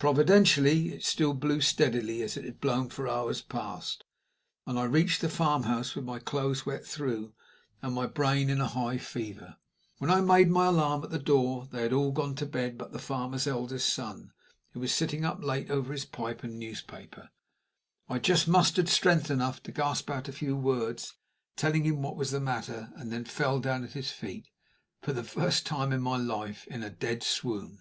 Providentially, it still blew steadily as it had blown for hours past, and I reached the farmhouse with my clothes wet through, and my brain in a high fever. When I made my alarm at the door, they had all gone to bed but the farmer's eldest son, who was sitting up late over his pipe and newspaper. I just mustered strength enough to gasp out a few words, telling him what was the matter, and then fell down at his feet, for the first time in my life in a dead swoon.